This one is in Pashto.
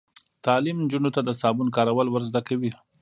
تعلیم نجونو ته د صابون کارول ور زده کوي.